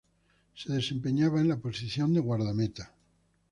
Se desempeñaba en la posición de guardameta.